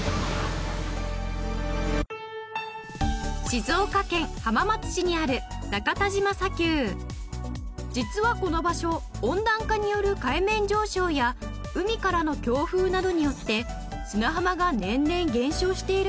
静岡県浜松市にある実はこの場所温暖化による海面上昇や海からの強風などによって砂浜が年々減少しているんです。